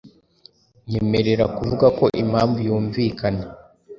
nyemerera kuvuga ko impamvu yumvikana